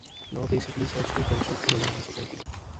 Law basically serves two functions in a modern society.